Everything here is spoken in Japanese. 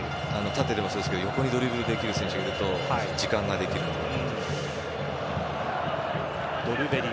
縦もそうですが横にドリブルできる選手がいると時間ができるので。